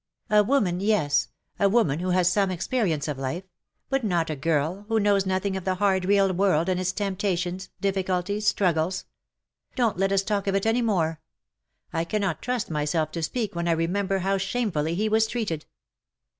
" A woman^ yes — a woman who has had some experience of life : but not a girl, who knows nothing of the hard real world and its temptations, difficulties, struggles. Don't let us talk of it any more. I cannot trust myself to speak when I remember how shamefully he was treated."